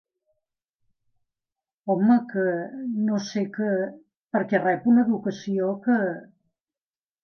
Home que, no sé que, perquè rep una educació que.